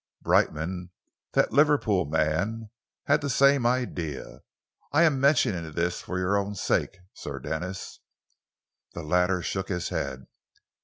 Brightman, that Liverpool man, had the same idea. I am mentioning this for your own sake, Sir Denis." The latter shook his head.